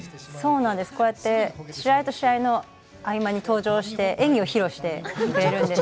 試合と試合の合間に登場して演技を披露しているんです。